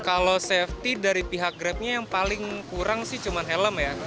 kalau safety dari pihak grabnya yang paling kurang sih cuma helm ya